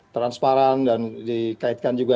transparan dan dikaitkan juga